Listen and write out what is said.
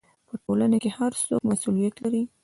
په ټولنه کې هر څوک مسؤلیت لري.